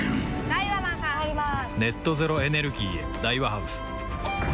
・ダイワマンさん入りまーす！